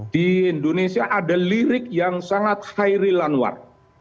di indonesia ada lirik yang sangat hairi lanwar